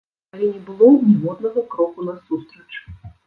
Але не было ніводнага кроку насустрач!